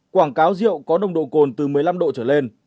quảng cáo rượu có nồng độ cồn từ một mươi năm độ trở lên